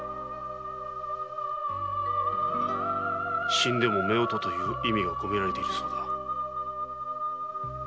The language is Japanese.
「死んでも夫婦」という意味がこめられているそうだ。